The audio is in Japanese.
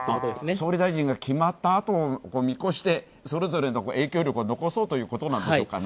総理大臣が決まったあとを見越してそれぞれの影響力を残そうということなんでしょうかね。